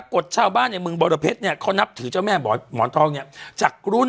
กฎชาวบ้านในเมืองบรเพชรเนี่ยเขานับถือเจ้าแม่หมอนทองเนี่ยจากรุ่น